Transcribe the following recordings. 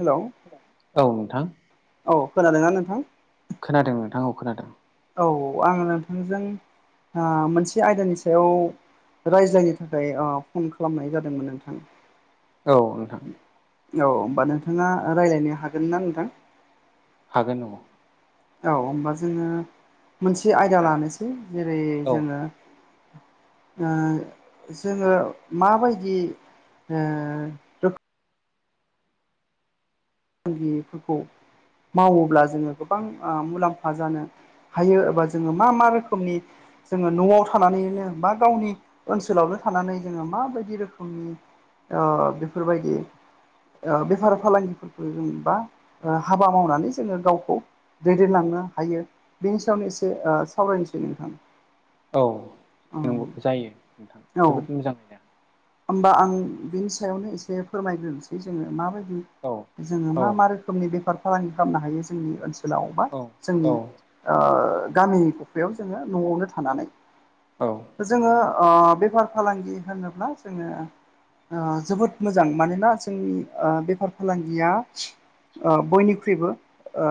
Hello औ नोंथां औ खोनादों ना नोंथां? खोनादों नोंथां औ खोनादों। औ आङो नोंथांजों ओ‌ मोनसे आयदानि सायाव रायज्लायनि थाखाय ऐ फन खालामनाय जादोंमोन नोंथां औ नोंथां औ होनोमबा नोंथाङा रायज्लायनो हागोन ना नोंथां? हागोन औ औ होमबा जोङो मोनसे आयदा लानोसै जेरै औ जोङो ओ जोङो माबायदि ओ फालांगिफोरखौ मावोब्ला जोङो गोबां ओ मुलाम्फा जानो हायो एबा जोङो मा मा रोखोमनि जोङो न'आव थानानैनो बा गावनि ओनसोलावनो थानानै जोङो माबायदि रोखोमनि ओ बेफोरबायदि ओ बेफार फालांगि जेनबा हाबा मावनानै जोङो गावखौ दैदेनलांनो हायो बेनि सायावनो एसे ओ सावरायनोसै नोंथां। औ नंगौ जायो नोंथां औ जोबोद मोजां आइदा। होमबा आं बिनि सायावनो एसे फोरमायग्रोनोसै जोङो माबायदि औ जोङो औ मा मा रोखोमनि बेफार फालांगि खालामनो हायो जोंनि ओनसोल लाव बा औ जोंनि ओ गामि गफायाव जोङो न'आवनो औ थानानै औ जोङो ओ बेफार फालांगि होनोब्ला जोङो ओ‌ जोबोद मोजां मानोना जोंनि ओ बेफार फालांगिया ओ बयनिख्रुइबो ओ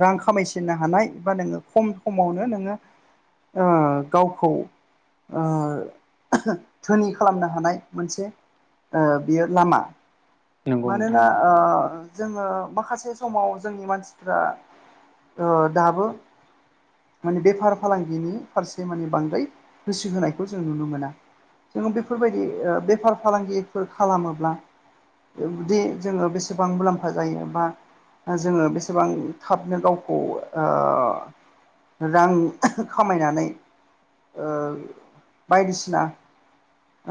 रां खामायसिननो हानाय बा नोङो खम समावनो नोङो ओ गावखौ ओ धोनि खालामनो हानाय मोनसे ओ बियो लामा। नंगौ नोंथां मानोना नंगौ ओ जोङो माखासे समाव जोंनि मानसिफ्रा ओ दाबो माने बेफार फालांगिनि फारसे माने बांद्राय गोसो होनायखौ जों नुनो मोना जोङो बेफोरबायदि बेफार फालांगिफोर खालामोब्ला बिदि जोङो बेसेबां मुलाम्फा जायो बा जोङो बेसेबां थाबनो गावखौ ओओ रां खामायनानै ओ बायदिसिना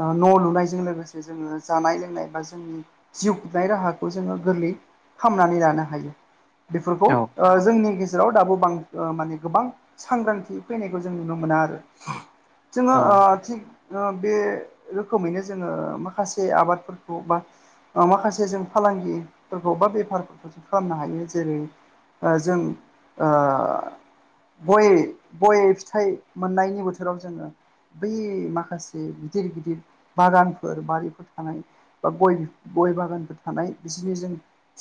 ओ न' लुनायजों लोगोसे जोङो जानाय लोंनाय बा जोंनि जिउ खुंनाय राहाखौ जोङो गोरलै खालामामनानै लानो हायो। बेफोरखौ ओ जोंनि जेराव दाबो बां माने गोबां सांग्रांथि फैनायखौ जों नुनो मोना आरो। जोङो औ ओ थिग बे रोखोमैनो जोङो माखासे आबादफोरखौ बा माखासे जों फालांगिफोरखौ बा बेफारफोरखौ जों खालामनो हायो जेरै ओ जों ओओ गय गय फिथाइ मोननायनि बोथोराव जोङो बै माखासे गिदिर गिदिर बागानफोर बारिफोर थानाय बा ग गय बागानफोर थानाय बिसोरनि जों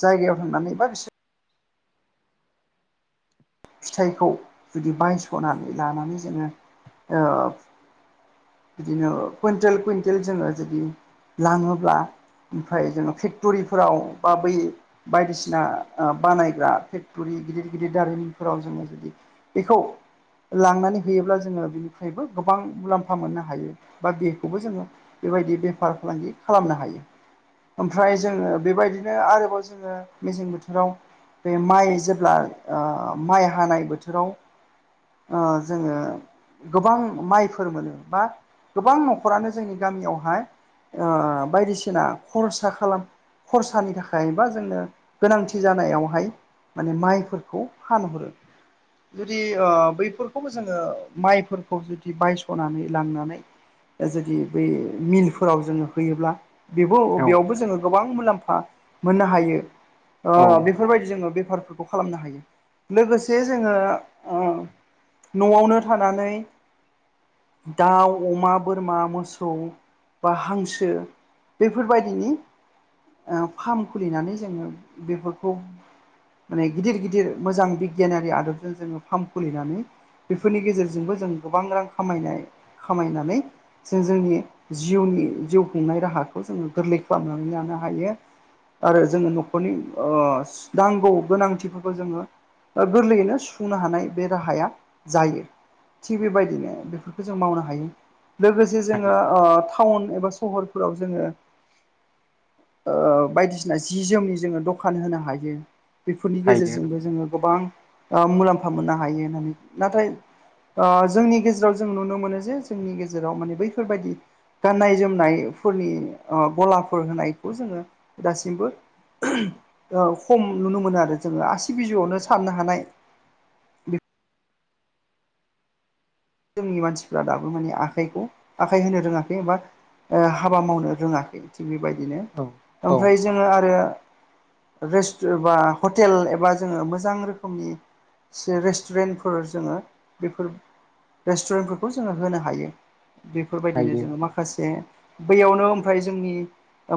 जायगायाव थांनानै बा बिसोर फिथाइखौ जुदि बायस'नानै लानानै जोङो ओओ बिदिनो कुइन्टेल कुइन्टेल जोङो जुदि लाङोब्ला ओमफ्राय जोङो फेक्टरिफोराव बा बै बायदिसिना ओ बानायग्रा फेक्टरि गिदिर गिदिर दारिमिनफोराव जोङो जुदि बेखौ लांनानै होयोब्ला जोङो बिनिफ्रायबो गोबां मुलाम्फा मफा मोननो हायो बा बेखौबो जोङो बेबायदि बेफार फालांगि खालामनो हायो। ओमफ्राय जोङो बेबायदिनो आरोबाव जोङो मेसें बोथोराव बे माइ जेब्ला ओ माइ हानाय बोथोराव ओ जोङो गोबां माइफोर मोनो बा गोबां नखरानो जोंनि गामियावहाय ओ बायदिसिना खरसा खालाम खरसानि थाखाय बा जोंनो गोनांथि जानायावहाय माने माइफोरखौ फानहरो जुदि ओ बैफोरखौबो जोङो माइफोरखौ जुदि बायसनानै लांनानै जुदि बै मिलफोराव जोङो होयोब्ला बेबो औ बेयावबो जोङो गोबां मुलाम्फा मोननो हायो औ ओ बेफोरबायदि जोङो बेफार खालामनो हायो लोगोसे जोङो ओ न'आवनो थानानै दाउ अमा बोरमा मोसौ बा हांसो बेफोरबायदिनि ओ फार्म खुलिनानै जोङो बेफोरखौ माने गिदिर गिदिर मोजां बिगियानारि आदबजों जोङो फार्म खुलिनानै बेफोरनि गेजेरजोंबो जों गोबां रां खामायनाय खामायनानै जों जोंनि जिउनि जिउ खुंनाय राहाखौ जोङो गोरलै खालामनानै लानो हायो। आरो जोङो न'खरनि ओ नांगौ गोनांथिफोरखौ जोङो ब गोरलैयैनो सुफुंनो हानाय बे राहाया जायो थिग बेबायदिनो बेफोरखो जों मावनो हायो लोगोसे हायो जोङो ओ टाउन एबा सहरफोराव जोङो ओ बायदिसिना जि जोमनि जोङो दखान होनो हायो। बेफोरनि हायो गेजेरजोंबो जोङो गोबां ओ मुलाम्फा मोननो हायो होननानै नाथाय ओ जोंनि गेजेराव जों नुनो मोनो जे जोंनि गेजेराव माने बैफोरबायदि गाननाय जोमनायफोरनि ओ गलाफोर होनायखौ जोङो दासिमबो खम नुनो मोनो आरो जोङो आसि बिजौआवनो साननो हानाय जोंनि मानसिफ्रा दाबो माने आखाइखौ आखाइ होनो रोङाखै एबा ओ हाबा मावनो रोङाखै थिग बेबायदिनो औ औ ओमफ्राय जोङो आरो रेस बा हटेल एबा जोङो मोजां रोखोमनि रेस्टुरेन्टफोर जोङो बेफोर रेस्टुरेन्टफोरखौ जोङो होनो हायो बेफोरबायदिनो हायो जोङो माखा माखासे बैयावनो ओमफ्राय जोंनि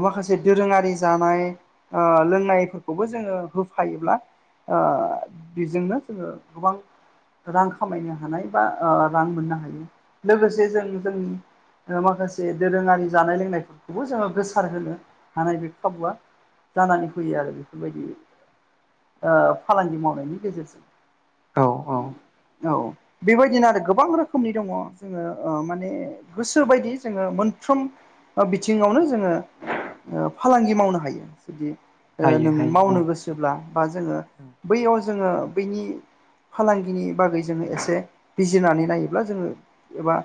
माखासे दोरोङारि जानाय ओ लोंनायफोरखौबो जोङो होफायोब्ला ओ बेजोंनो जोङो गोबां रां खामायनो हानाय बा ओ रां मोननो हायो लोगोसे जों जोंनि माखासे दोरोङारि जानाय लोंनायफोरखौबो जोङो गोसार होनो हानाय बे खाबुआ जानानै फैयो आरो बेफोरबायदि ओ फालांगि मावनायनि गेजेरजों औ औ औ बेबायदिनो गोबां रोखोमनि दङ ओ जोङो माने गोसो बायदि जोङो मोनफ्रोम बिथिङावनो जोङो फालांगि मावनो हायो जुदि हायो नों हायो मावनो गोसो बा जोङो बैयाव जोङो बैनि फालांगिनि बागै जोङो एसे बिजिनानै नायोब्ला जोङो एबा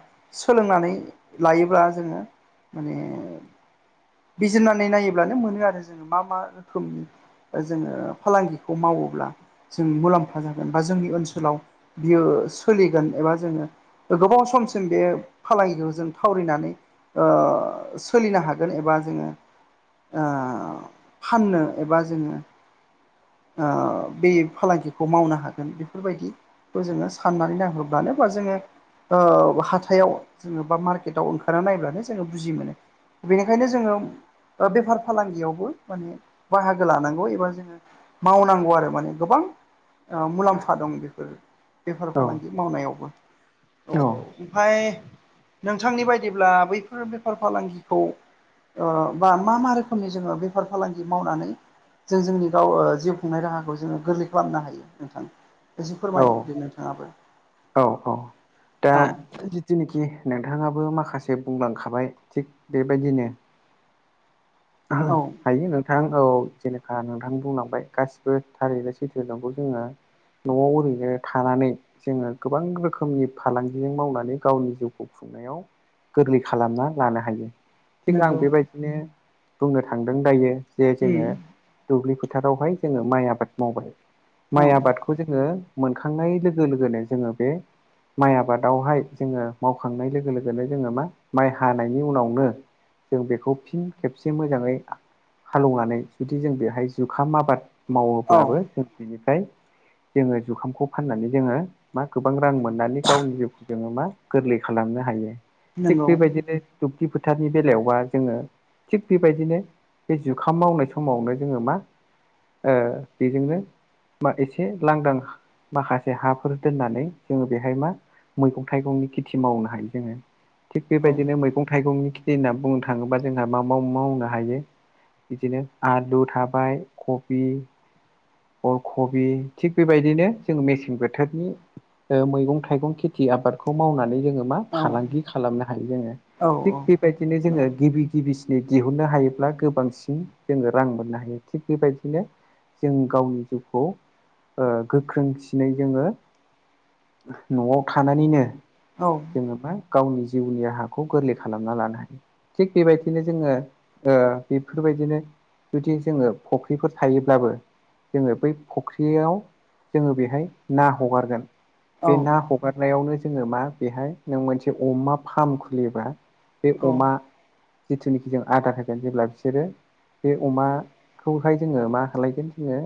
सोलोंनानै लायोब्ला जोङो [inaudible] बिजिरनानै नायोब्लानो मोनो आरो जोङो मा मा रोखोमनि जोङो फालांगिखौ मावोब्ला जों मुलाम्फा जागोन बा जोंनि ओनसोलाव बियो सोलिगोन एबा जोङो गोबाव समसिम बे फालांगिखौ जों थावरिनानै ओ सोलिनो हागोन एबा ओ जोङो फाननो एबा जोङो ओ बे फालांगिखौ मावनो हागोन बेफोरबायदि खौ जोङो साननानै नायहोब्लानोबा जोङो ओ हाथायाव जोङो बा मार्केटाव ओंखारा नायब्लानो जोङो बुजि मोनो बेनिखायनो जोङो बेफार फालांगियावबो माने बाहागो लानांगौ एबा जोङो मावनांगौ आरो माने गोबां मुलाम्फा दं बेफोर बेफार औ फालांगि मावनायावबो औ ओमफफ्राय नोंथांनि बायदिब्ला बैफोर बेफार फालांगिखौ ओ बा मा मा रोखोमनि जोङो बेफार फालांगि मावनानै जों जोंनि गाव जिउ खुंनाय राहाखौ जोङो गोरलै खालामनो हायो नोंथां एसे फोरमायदोन औ नोंथाङाबो औ औ दा औ जिनोखि नोंथाङाबो माखासे बुंलांखाबाय थिग बेबायदिनो ह औ [unintelligible] हायो नोंथां औ जेनेखाा नोंथां बुंलांबाय गासिबो थारिखनो सैथो दंखौ जोङो न'आव ओरैनो थानानै जोङो गोबां रोखोमनि फालांगिजों मावनानै गावनि जिउखौ खुंनायाव गोरलै खालामना लानो हायो थिग आं नंगौ बेबायदिनो बुंनो थांदों दायो जे उम जोङो दुब्लि फोथारावहाय जोङो माइ आबाद मावबाय औ माइ आबादखौ जोङो मोनखांनाय लोगो लोगोनो जोङो बे माइ आबादावहाय जोङो मावखांनाय लोगो लोगोनो जोङो मा माइ हानायनि उनावनो जों बेखौ फिन खेब खबसे मोजाङै हालेवनानै जुदि जों बेहाय जुखाम आबाद औ मावोब्लाबो जों बिनिफ्राय जोङो जुखामखौ फाननानै जोङो मा गोबां रां मोननानै गावनि जिउखौ जोङो मा गोरलै खालामनो हायो। थिग नंगौ बेबायदिनो दुब्लि फोथारनि बेलायावबा जोङो थिग बेबायदिनो बे जुखाम मावनाय समावनो जोङो मा ओ बिजोंनो मा इसे लांदां माखासे हाफोर दोननानै जोङो बेहाय मा मैगं थाइगंनि खेथि मावनो हायो जोङो थिग औ बेबायदिनो मैगं थाइगंनि खेथि होनना बुंनो थाङोबा जोंहा मा मावा मावनो हायो बिदिनो आलु थाबाय कबि अल कबि थिग बेबायदिनो जों मेसें बोथोरनि मैगं थाइगं खेथि आबादखौ मावनानै जोङो मा औ फालांगि खालामनो हायो जोङो औ थिग बेबायदिनो जोङो नंगौ गिबि गिबि सिनै दिहुननो हायोब्ला गोबांसिन जोङो रां मोननो हायो थिग बेबायदिनो जों गावनि जिउखौ गोख्रोंसिनै जोङो न'आव थानानैनो औ जोङो मा गावनि जिउनि राहाखौ गोरलै खालामना लानो हायो। थिग बेबायदिनो जोङो ओ बेफोरबायदिनो जुदि जोङो फुख्रिफोर थायोब्लाबो जोङो बै फुख्रियाव जोङो बेहाय ना हगारगोन औ बे ना ह हगारनायावनो जोङो मा बेहाय नों मोनसे अमा फाम खुलियोबा बे औ अमा जिथुनिखि जों आदार होगोन जेब्ला बिसोरो बे अमाखौहाय जोङो मा खालायगोन जोङो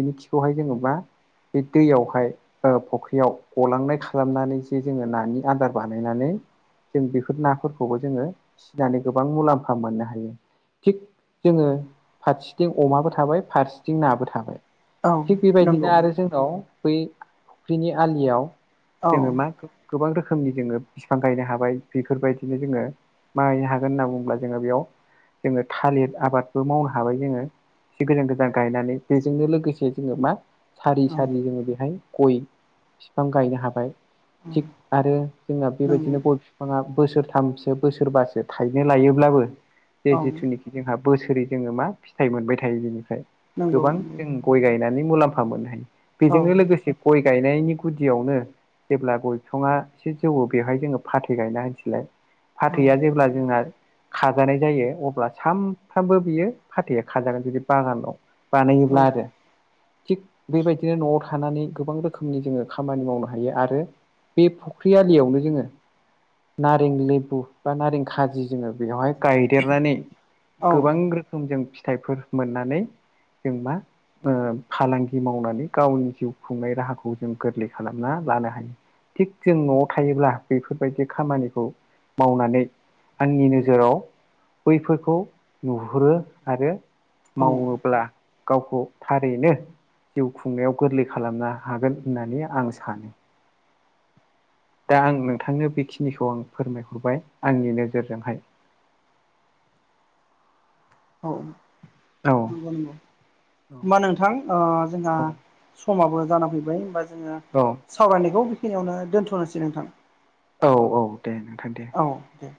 बिनि खिखौहाय जोङो मा बे दैयावहाय ओ फख्रियाव गलांनाय खालामनानै जे जोङो नानि आदार बानायनानै जों बेफोर नाफोरखौबो जोङो नानै गोबां मुलाम्फा मोननो हायो। थिग जोङो फारसेथिं अमाबो थाबाय फारसेथिं नाबो थाबाय। औ थिग नंगौ बेबायदिनो आरो जोंनाव बै फुख्रिनि आलियाव औ जोङो मा गोबां रोखोमनि जोङो बिफां गायनो हाबाय बेफोरबायदिनो जोङो मा गायनो हागोन होनना बुङोब्ला जोङो बेयाव जोङो थालिर आबादबो मावनो हाबाय जोङो एसे गोजान गोजान गायनानै बेजोंनो लोगोसे जोङो मा सारि औ सारि जोङो बेहाय गय बिफां गायनो हाबाय। थिग आरो जोंना नंगौ बेबायदिनो गय बिफाङा बोसोरथामसो बोसोर फोरबासो थाइनो लायोब्लाबो बे औ जिथुनिखि जोंहा बोसोरै जोङो मा फिथाइ मोनबाय थायो बेनिफ्राय नंगौ गोबां नंगौ जों गय गायनानै मुलाम्फा मोननो हायो। औ बेजोंनो लोगोसे गय गायनायनि गुदियावनो जेब्ला गय बिफाङा एसे जौव बेवहाय जोङो फाथै गायना होनसैलाय औ फाथैआ जेब्ला जोंना खाजानाय जायो अब्ला सामफ्रामबो बियो फाथैया खाजागोन जुदि बागान दं। बानायोब्ला औ आरो थिग बेबायदिनो न'आव थानानै गोबां रोखोमनि जोङो खामानि मावनो हायो आरो बे फुख्रि आलियावनो जोङो नारें लेबु बा नारें खाजि जोङो बेवहाय गायदेरनानै औ गोबां रो जों फिथाइफोर मोननानै जों मा ओ फालांगि मावनानै गावनि जिउ खुंनाय राहाखौ जों गोरलै खालामना लानो हायो। थिग जों न'आव थायोब्ला बेफोरबायदि खामानिखौ मावनानै आंनि नोजोराव बैफोरखौ नुहुरो आरो औ मावोब्ला। गावखौ थारैनो जिउ खुंनायाव गोरलै खालामनो हागोन होननानै आं सानो। दा आं नोंथांनो बेखिनिखौ आं फोरमायहरबाय आंनि नोजोरजोंहाय। औ औ नोंगौ नोंगौ। औ होमबा नोंथां ओ जोंहा समाबो जाना फैबाय होमबा जोङो औ। सावरायनायखौ बेखिनियावनो दोन्थ'नोसै नोंथां। औ औ दे नोंथां दे। औ दे।